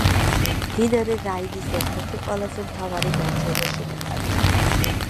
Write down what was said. მდინარე რაინის ერთ-ერთი ყველაზე მთავარი მარჯვენა შენაკადი.